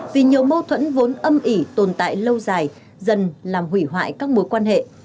vì nhiều mâu thuẫn vốn âm ỉ tồn tại lâu dài dần làm hủy hoại các mối quan hệ